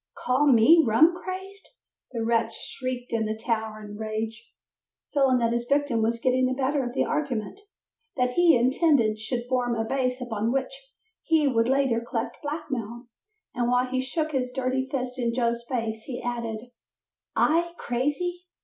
"Call me rum crazed," the wretch shrieked in towering rage, feeling that his victim was getting the better of the argument, that he intended should form a base upon which he would later collect blackmail, and while he shook his dirty fist in Joe's face, he added, "I, crazy?